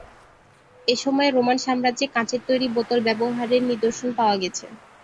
এসময়ে Roman সাম্রাজ্যে কাঁচের তৈরি বোতল ব্যবহারের নিদর্শন পাওয়া গেছে।